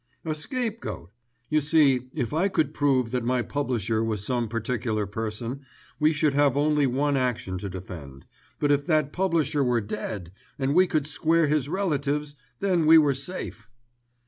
"A scapegoat. You see if I could prove that my publisher was some particular person, we should have only one action to defend; but if that publisher were dead, and we could square his relatives, then we were safe.